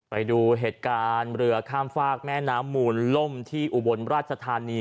ไปดูเหตุการณ์เรือข้ามฝากแม่น้ำมูลล่มที่อุบลราชธานี